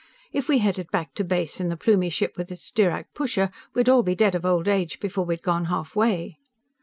If we headed back to base in the Plumie ship with its Dirac pusher, we'd all be dead of old age before we'd gone halfway."